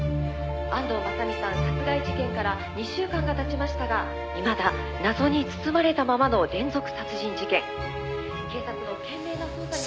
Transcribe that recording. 「安藤雅美さん殺害事件から２週間が経ちましたがいまだ謎に包まれたままの連続殺人事件」「警察の懸命な捜査に」